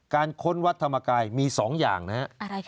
ค้นวัดธรรมกายมี๒อย่างนะครับ